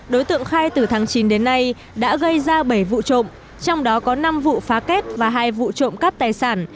đối tượng khai từ tháng chín đến nay đã gây ra bảy vụ trộm trong đó có năm vụ phá kết và hai vụ trộm cắp tài sản